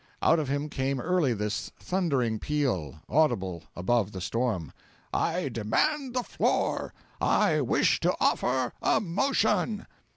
Out of him came early this thundering peal, audible above the storm: 'I demand the floor. I wish to offer a motion.'